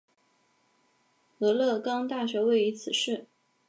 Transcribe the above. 俄勒冈大学位于此市。